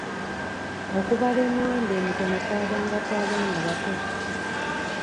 Okubala emiwendo emitono kwabanga kwa baana bato.